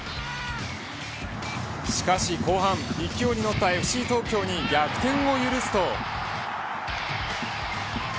しかし後半、勢いに乗ったＦＣ東京に逆転を許すと。